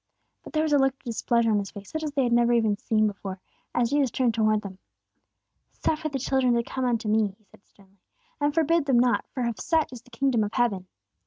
But there was a look of displeasure on His face, such as they had never seen before, as Jesus turned toward them. "Suffer the little children to come unto me," He said, sternly, "and forbid them not; for of such is the kingdom of heaven!"